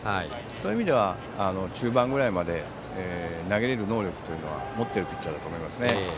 そういう意味では中盤ぐらいまで投げれる能力は持っているピッチャーだと思いますね。